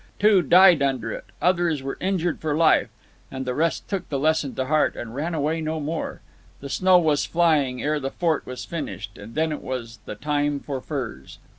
Two died under it; others were injured for life; and the rest took the lesson to heart and ran away no more. The snow was flying ere the fort was finished, and then it was the time for furs.